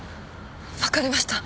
分かりました。